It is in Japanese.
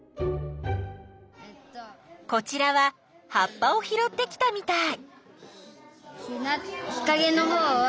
こちらは葉っぱをひろってきたみたい。